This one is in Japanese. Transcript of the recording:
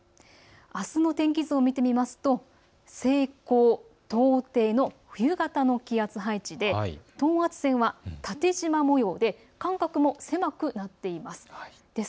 あすの天気図を見てみますと西高東低の冬型の気圧配置で等圧線は縦じま模様で間隔も狭くなっています。